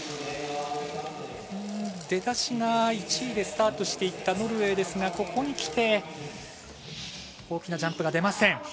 出だしが１位でスタートしていったノルウェーですがここに来て大きなジャンプが出ません。